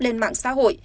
lên mạng xã hội